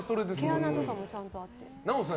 毛穴とかもちゃんとあって。